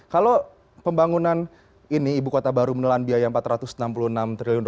kalau pembangunan ini ibu kota baru menelan biaya rp empat ratus enam puluh enam triliun